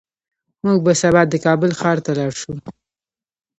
موږ به سبا د کابل ښار ته لاړ شو